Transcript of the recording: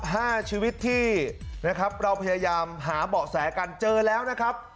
ห้าชีวิตที่นะครับเราพยายามหาเบาะแสกันเจอแล้วนะครับ